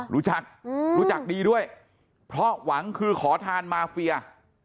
รู้จักรู้จักดีด้วยเพราะหวังคือขอทานมาเฟีย